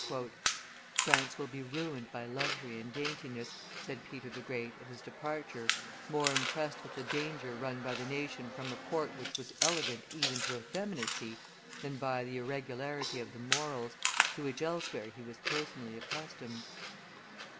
"France will be ruined by luxury and daintiness," said Peter the Great, at his departure, more impressed with the danger run by the nation from a court which was elegant even to effeminacy than by the irregularity of the morals, to which elsewhere he was personally accustomed.